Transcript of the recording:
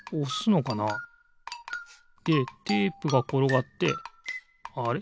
でテープがころがってあれ？